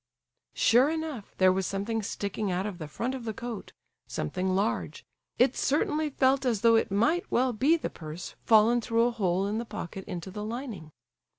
Sure enough there was something sticking out of the front of the coat—something large. It certainly felt as though it might well be the purse fallen through a hole in the pocket into the lining.